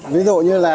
ví dụ như là